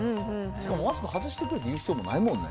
しかもマスク外してくれって言う必要ないもんね。